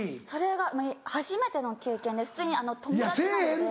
それが初めての経験で普通に友達なので。